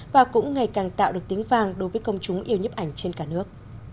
và cũng ngày càng tạo được tính vàng đối với công chúng yêu nhấp ảnh trên cả nước